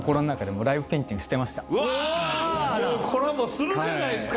もうコラボするんじゃないですか！